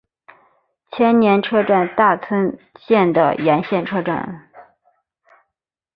千绵车站大村线的沿线车站。